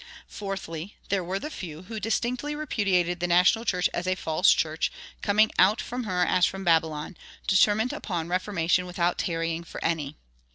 Fourthly, there were the few who distinctly repudiated the national church as a false church, coming out from her as from Babylon, determined upon "reformation without tarrying for any."